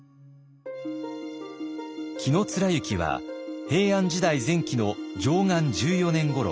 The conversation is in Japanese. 紀貫之は平安時代前期の貞観十四年ごろ